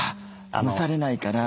蒸されないから。